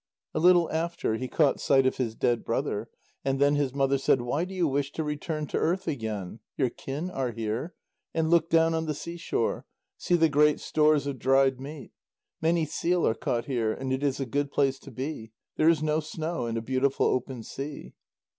A little after, he caught sight of his dead brother, and then his mother said: "Why do you wish to return to earth again? Your kin are here. And look down on the sea shore; see the great stores of dried meat. Many seal are caught here, and it is a good place to be; there is no snow, and a beautiful open sea."